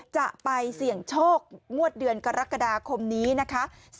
จะไปเสี่ยงโชคงวดเดือนกรกฎาคมนี้นะคะ